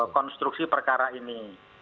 konstruksi perkara ini